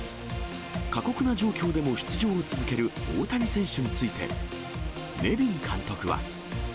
過酷な状況でも出場を続ける大谷選手について、ネビン監督は。